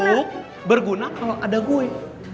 untuk berguna kalau ada gue